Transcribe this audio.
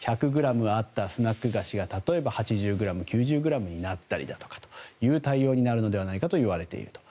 １００ｇあったスナック菓子が例えば８０ｇ、９０ｇになったりなどという対応になるのではないかといわれていると。